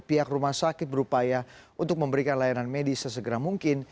pihak rumah sakit berupaya untuk memberikan layanan medis sesegera mungkin